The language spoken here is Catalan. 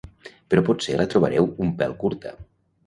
però potser la trobareu un pèl curta